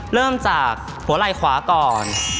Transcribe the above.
เริ่มจากหัวไหล่ขวาก่อน